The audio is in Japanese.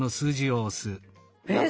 えっ！